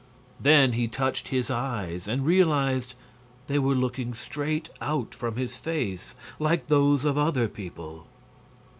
Then he touched his eyes, and realized they were looking straight out from his face, like those of other people.